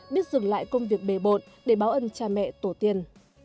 biết dừng lại công việc bề bộn để báo ân cha mẹ tổ tiên